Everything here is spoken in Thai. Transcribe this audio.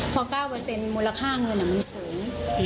พอ๙มูลค่าเงินมันสูง